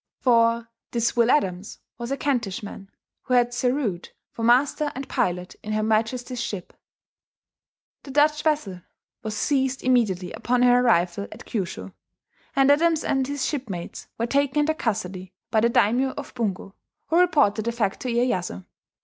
For this Will Adams was a Kentish man, who had "serued for Master and Pilott in her Majesties ships ..." The Dutch vessel was seized immediately upon her arrival at Kyushu; and Adams and his shipmates were taken into custody by the daimyo of Bungo, who reported the fact to Iyeyasu.